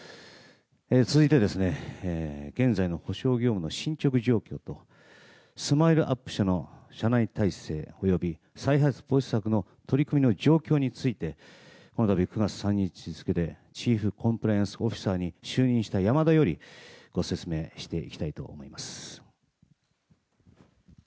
続いて、現在の補償業務の進捗状況とＳＭＩＬＥ‐ＵＰ．社の社内体制及び再発防止策の取り組みの状況についてこの度、９月３０日付でチーフコンプライアンスオフィサーに就任した山田よりご説明していきたいと思います。